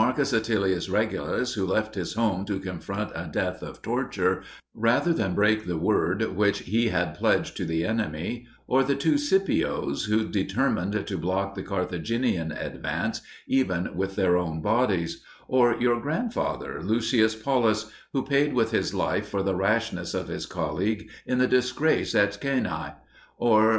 Atilius Regulus, who left his home to confront a death of torture, rather than break the word which he had pledged to the enemy; or the two Scipios, who determined to block the Carthaginian advance even with their own bodies; or your grandfather Lucius Paulus, who paid with his life for the rashness of his colleague in the disgrace at Cannae; or M.